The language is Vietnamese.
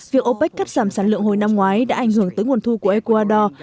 việc opec cắt giảm sản lượng hồi năm ngoái đã ảnh hưởng tới nguồn thu của ecuador